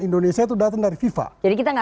indonesia itu datang dari fifa jadi kita nggak